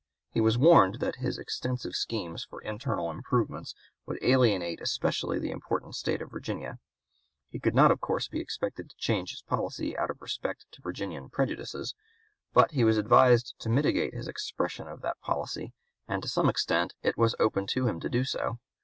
He was warned that his extensive schemes for internal improvement would alienate especially the important State of Virginia. He could not of course be expected to change his policy out of respect to Virginian prejudices; but he was advised to mitigate his expression of that policy, and to some extent it was open to him to do so.